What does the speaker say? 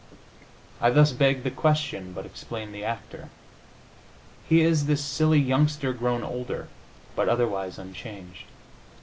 I thus beg the question, but explain the actor. He is this silly youngster grown older, but otherwise unchanged.